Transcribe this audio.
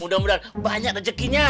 mudah mudahan banyak rezekinya